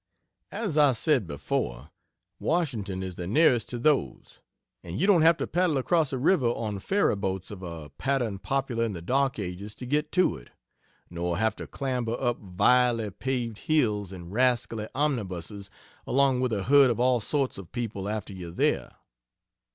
As I said before Washington is the nearest to those and you don't have to paddle across a river on ferry boats of a pattern popular in the dark ages to get to it, nor have to clamber up vilely paved hills in rascally omnibuses along with a herd of all sorts of people after you are there.